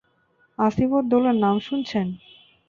আসিফ উদ দৌলার নাম শুনছেন?